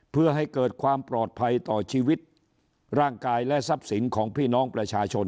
เพื่อให้เกิดความปลอดภัยต่อชีวิตร่างกายและทรัพย์สินของพี่น้องประชาชน